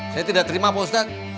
saya tidak terima pak ustadz